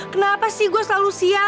kenapa sih gue selalu siap